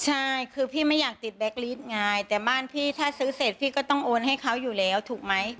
ใช่คือพี่ไม่อยากติดแบ็คลิสต์ไงแต่บ้านพี่ถ้าซื้อเสร็จพี่ก็ต้องโอนให้เขาอยู่แล้วถูกไหม